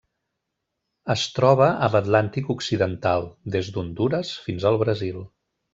Es troba a l'Atlàntic occidental: des d'Hondures fins al Brasil.